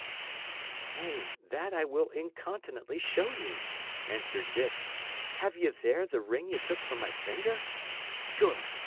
"Nay, that I will incontinently show you," answered Dick. "Have ye there the ring ye took from my finger? Good!